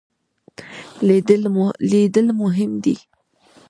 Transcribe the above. لیدل مهم دی.